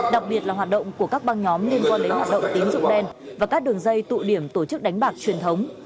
đặc biệt là hoạt động của các băng nhóm liên quan đến hoạt động tín dụng đen và các đường dây tụ điểm tổ chức đánh bạc truyền thống